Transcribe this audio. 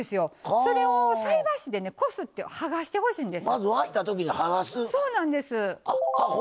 それを菜箸でこすって剥がしてほしいんです。